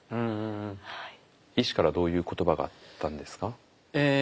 医師からどういう言葉があったんですか？